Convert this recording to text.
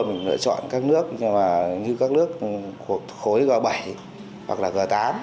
mình lựa chọn các nước như các nước của khối g bảy hoặc là g tám